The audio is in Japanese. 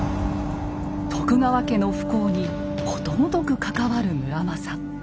徳川家の不幸にことごとく関わる村正。